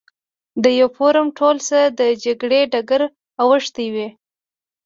د یوه فورم ټول څه د جګړې ډګر اوښتی وي.